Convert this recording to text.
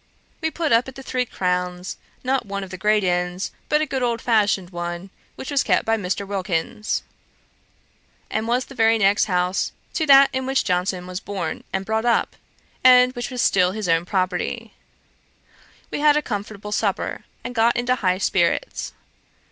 We put up at the Three Crowns, not one of the great inns, but a good old fashioned one, which was kept by Mr. Wilkins, and was the very next house to that in which Johnson was born and brought up, and which was still his own property. We had a comfortable supper, and got into high spirits.